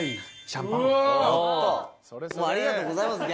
ありがとうございます。